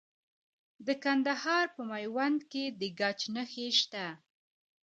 د کندهار په میوند کې د ګچ نښې شته.